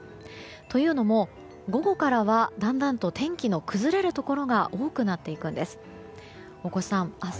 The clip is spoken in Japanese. というのも、午後からはだんだんと天気の崩れるところが多くなっていくんです。